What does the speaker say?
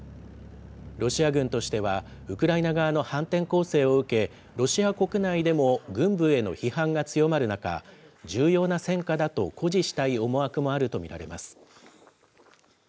ロシア軍としては、ウクライナ側の反転攻勢を受け、ロシア国内でも軍部への批判が強まる中、重要な戦果だと誇示したい思惑もあると見られます。